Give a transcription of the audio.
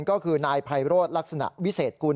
ก็คือนายไพโรธลักษณะวิเศษกุล